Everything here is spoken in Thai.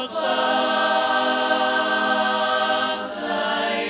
ก็เป็นไง